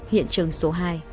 hiện trường số hai